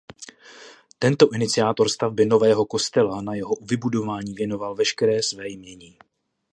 Tento iniciátor stavby nového kostela na jeho vybudování věnoval veškeré své jmění.